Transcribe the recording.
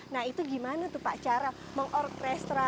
nah itu gimana tuh pak cara mengorkestra mengkolaborasi semua stakeholder ini